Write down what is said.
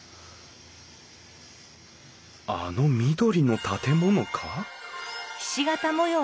あの緑の建物か？